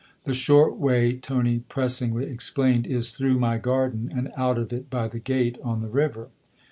" The short way," Tony pressingly explained, " is through my garden and out of it by the gate on the river."